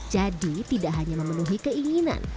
jadi tidak hanya memenuhi keinginan